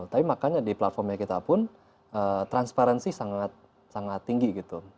tapi makanya di platformnya kita pun transparansi sangat sangat tinggi gitu